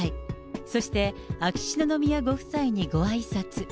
そして、秋篠宮ご夫妻にごあいさつ。